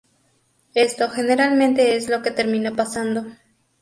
Esto generalmente es lo que termina pasando.